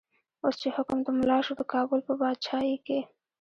اوس چی حکم د ملا شو، د کابل په با چايې کی